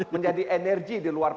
menjadi energi di luar